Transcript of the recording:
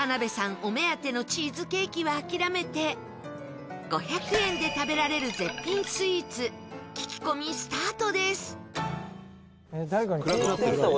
お目当てのチーズケーキは諦めて５００円で食べられる絶品スイーツ聞き込みスタートです。